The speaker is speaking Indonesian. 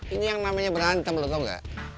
ini yang namanya berantem lo tau gak